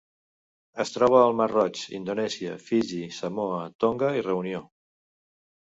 Es troba al mar Roig, Indonèsia, Fiji, Samoa, Tonga i Reunió.